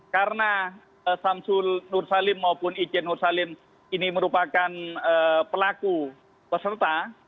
karena samsul nursalim maupun ijen nursalim ini merupakan pelaku peserta